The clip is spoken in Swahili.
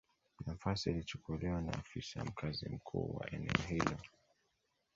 Nafasi ilichukuliwa na afisa mkazi mkuu wa eneo hilo